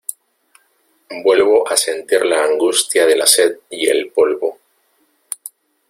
vuelvo a sentir la angustia de la sed y el polvo: